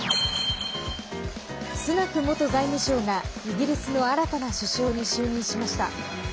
スナク元財務相がイギリスの新たな首相に就任しました。